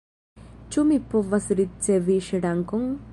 Ĉu mi povas ricevi ŝrankon?